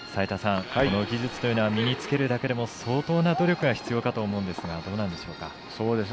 技術というのは身につけるだけでも相当な努力が必要かと思うんですがどうなんでしょうか。